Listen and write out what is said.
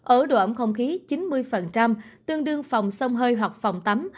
ở độ ẩm không khí chín mươi tương đương phòng sông hơi hoặc phòng tắm